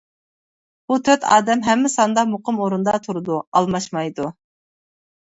بۇ تۆت ئادەم ھەممە ساندا مۇقىم ئورۇندا تۇرىدۇ، ئالماشمايدۇ.